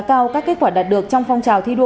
cao các kết quả đạt được trong phong trào thi đua